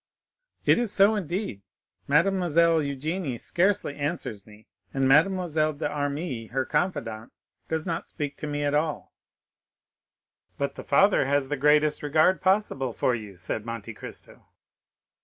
"It is so indeed; Mademoiselle Eugénie scarcely answers me, and Mademoiselle d'Armilly, her confidant, does not speak to me at all." "But the father has the greatest regard possible for you," said Monte Cristo.